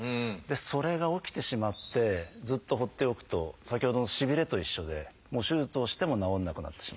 それが起きてしまってずっと放っておくと先ほどのしびれと一緒で手術をしても治らなくなってしまう。